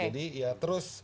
jadi ya terus